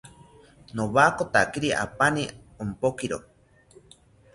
Nowakotakiri apani ompokiro